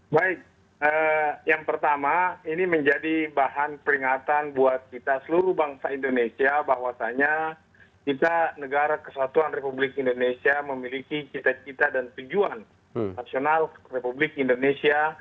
baik yang pertama ini menjadi bahan peringatan buat kita seluruh bangsa indonesia bahwasannya kita negara kesatuan republik indonesia memiliki cita cita dan tujuan nasional republik indonesia